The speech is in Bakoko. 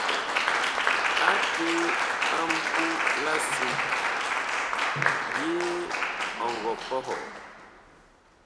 Ate a mbu la siŋgi, yee ɔ ngɔ pɔhɔɔ ?